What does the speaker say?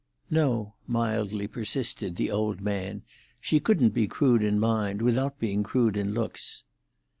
"No," mildly persisted the old man; "she couldn't be crude in mind without being crude in looks."